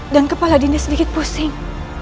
dan kepala dinda sedikit pusing